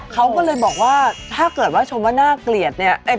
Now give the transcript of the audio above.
เขาก็เลยบอกว่าถ้าเกิดว่าชมว่าน่าเกลียดเนี่ย